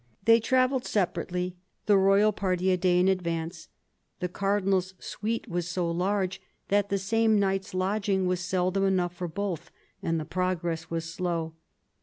They travelled separately, the royal party a day in advance ; the Cardinal's suite was so large that the same night's lodging was seldom enough for both, and the progress was slow.